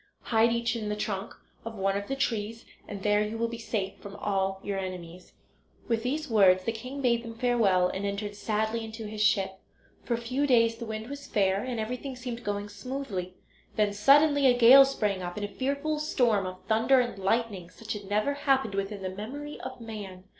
Hide each in the trunk of one of the trees and there you will be safe from all your enemies." With these words the king bade them farewell and entered sadly into his ship. For a few days the wind was fair, and everything seemed going smoothly; then, suddenly, a gale sprang up, and a fearful storm of thunder and lightning, such as had never happened within the memory of man.